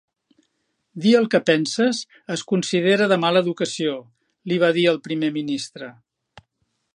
"Dir el que penses es considera de mala educació" li va dir al Primer Ministre.